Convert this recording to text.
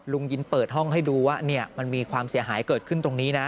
ยินเปิดห้องให้ดูว่ามันมีความเสียหายเกิดขึ้นตรงนี้นะ